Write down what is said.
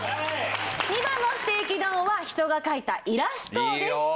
２番のステーキ丼は人が描いたイラストでした。